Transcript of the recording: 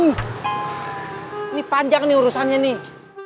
ini panjang nih urusannya nih